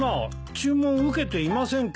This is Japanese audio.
注文受けていませんけど。